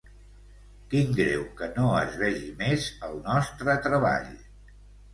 “Quin greu que no es vegi més el nostre treball”.